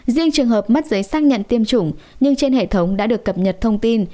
riêng trường hợp mất giấy xác nhận tiêm chủng nhưng trên hệ thống đã được cập nhật thông tin